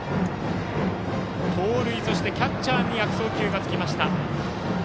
盗塁、そしてキャッチャーに悪送球がつきました。